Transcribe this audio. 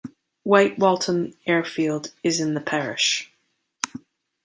White Waltham Airfield is in the parish.